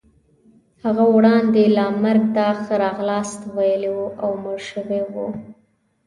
هغه وړاندې لا مرګ ته ښه راغلاست ویلی وو او مړ شوی وو.